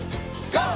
ＧＯ！